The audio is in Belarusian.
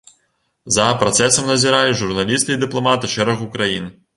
За працэсам назіралі журналісты і дыпламаты шэрагу краін.